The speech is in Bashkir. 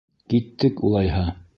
Киттек, улайһа!